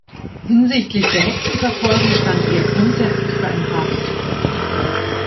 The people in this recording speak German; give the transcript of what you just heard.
Hinsichtlich der Hexenverfolgung stand er grundsätzlich für ein hartes Vorgehen.